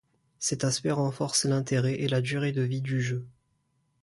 Cet aspect renforce l'intérêt et la durée de vie du jeu.